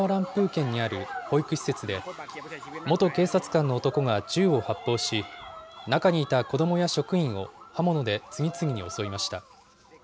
県にある保育施設で、元警察官の男が銃を発砲し、中にいた子どもや職員を刃物で次々に襲いました。